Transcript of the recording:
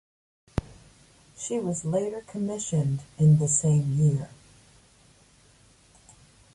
She was later commissioned in the same year.